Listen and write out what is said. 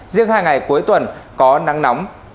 riêng hai ngày cuối tuần có nắng nóng